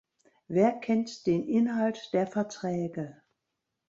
Wer kennt den Inhalt der Verträge?